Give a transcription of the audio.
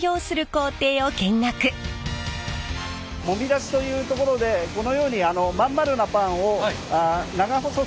もみ出しというところでこのように真ん丸なパンを長細く成形していきます。